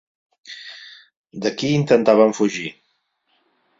De qui intentaven fugir?